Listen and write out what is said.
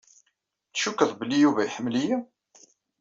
Tcukkeḍ belli Yuba iḥemmel-iyi?